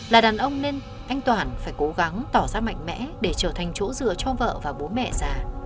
là đàn ông nên anh toản phải cố gắng tỏ ra mạnh mẽ để trở thành chỗ dựa cho vợ và bố mẹ già